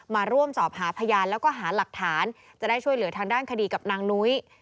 มาร่วมสอบหาพยานแล้วก็หาหลักฐานจะได้ช่วยเหลือทางด้านคดีกับนางนุ้ย